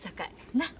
なっ？